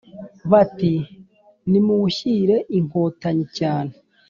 Bati: nimuwushyire Inkotanyi cyane